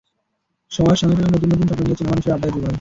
সময়ের সঙ্গে সঙ্গে নতুন নতুন স্বপ্ন নিয়ে চেনা মানুষেরা আড্ডায় যোগ হয়।